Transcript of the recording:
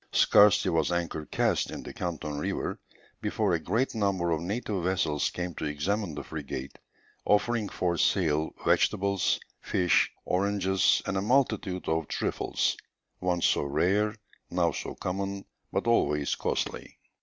Scarcely was anchor cast in the Canton river before a great number of native vessels came to examine the frigate, offering for sale vegetables, fish, oranges, and a multitude of trifles, once so rare, now so common, but always costly.